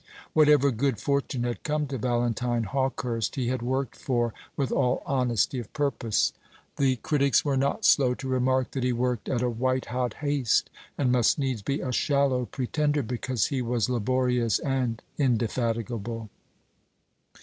Whatever good fortune had come to Valentine Hawkehurst he had worked for with all honesty of purpose. The critics were not slow to remark that he worked at a white hot haste, and must needs be a shallow pretender because he was laborious and indefatigable.